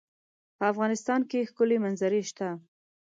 په افغانستان کې ښکلي منظرې شته.